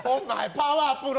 「パワプロ」